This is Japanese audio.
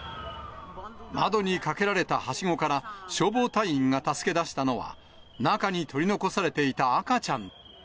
窓にかけられたはしごから、消防隊員が助け出したのは、中に取り残されていた赤ちゃん。